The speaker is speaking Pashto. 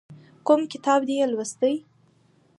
کوم کتاب دې یې لوستی؟